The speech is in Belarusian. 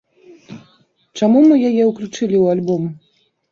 Чаму мы яе ўключылі ў альбом?